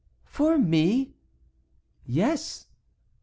"For me?" "Yes."